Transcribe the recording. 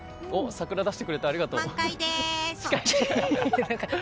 お、桜出してくれてありがとう。